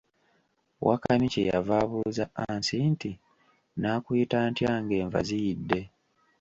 Wakamyu kye yava abuuza Aansi nti, nnaakuyita ntya ng'enva ziyidde?